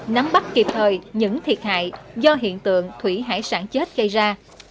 nắm bắt kịp thời những thiệt hại do hiện tượng thủy hải sản chết gây ra